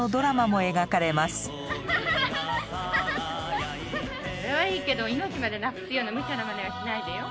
それはいいけど命までなくすようなむちゃなまねはしないでよ。